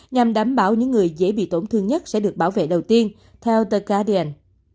nhằm đảm bảo những người dễ bị tổn thương nhất sẽ được bảo vệ đầu tiên theo the guardian